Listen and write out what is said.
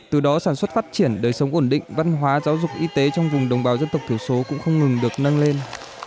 từ đó sản xuất phát triển đời sống ổn định văn hóa giáo dục y tế trong vùng đồng bào dân tộc thiểu số cũng không ngừng được nâng lên